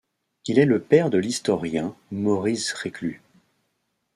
Il est le père de l'historien Maurice Reclus.